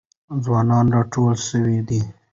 ځوانان راټول سوي دي.